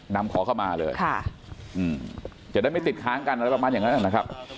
นำขอเข้ามาเลยจะได้ไม่ติดค้างกันอะไรประมาณอย่างนั้นนะครับ